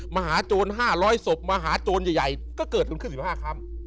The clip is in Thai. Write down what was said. มหาโจร๕๐๐ศพมาหาโจรใหญ่ก็เกิดกันขึ้น๑๕ค่ำ